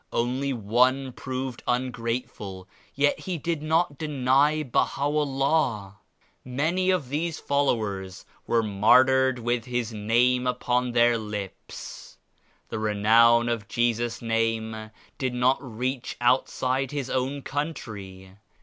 Only one proved ungrateful yet he did not deny Baha'u'llah. Many of these follow ers were martyred with His Name upon their lips. The renown of Jesus' Name did not reach outside His own country.